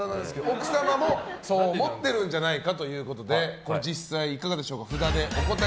奥様も、そう思ってるんじゃないかということで実際、いかがでしょうか。